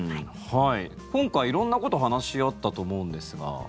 今回色んなことを話し合ったと思うんですが。